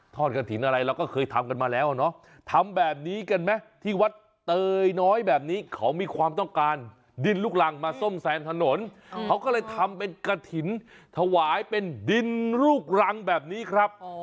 กระถิ่นอะไรเราก็เคยทำกันมาแล้วเนาะทำแบบนี้กันไหมที่วัดเตยน้อยแบบนี้เขามีความต้องการดินลูกรังมาซ่อมแซมถนนเขาก็เลยทำเป็นกระถิ่นถวายเป็นดินลูกรังแบบนี้ครับ